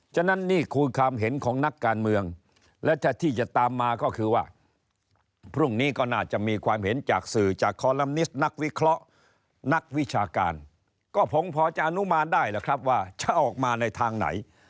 ฉะนั้นนี่คือความเห็นของนักการเมืองและที่จะตามมาก็คือว่าพรุ่งนี้ก็น่าจะมีความเห็นจากสื่อจากคอลัมนิสต์นักวิเคราะห์นักวิชาการก็ผมพอจะอนุมานได้แหละครับว่าจะออกมาในทางไหน